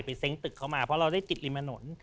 เซ้งตึกเข้ามาเพราะเราได้ติดริมถนน